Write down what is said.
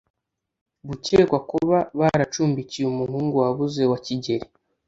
gukekwa kuba baracumbikiye umuhungu wabuze wa kigeri